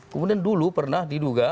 kemudian dulu pernah diduga